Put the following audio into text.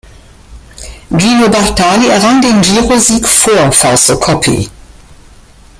Gino Bartali errang den Giro-Sieg vor Fausto Coppi.